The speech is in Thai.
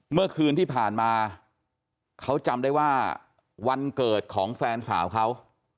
เมื่อคืนที่ผ่านมาเขาจำได้ว่าวันเกิดของแฟนสาวเขา